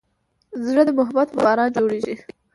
زړه د محبت په باران غوړېږي.